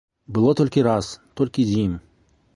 Было толькі раз, толькі з ім.